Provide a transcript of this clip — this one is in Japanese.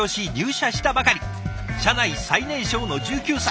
社内最年少の１９歳。